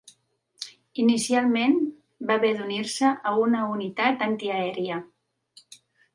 Inicialment, va haver d'unir-se a una unitat antiaèria.